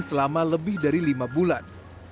selama lebih dari lima bulan